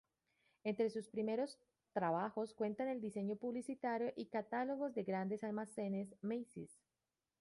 Entre sus primeros trabajos cuentan el diseño publicitario y catálogos de grandes almacenes Macy's.